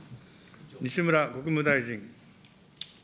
西村国務大臣。